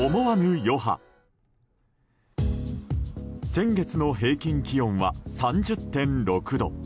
先月の平均気温は３０．６度。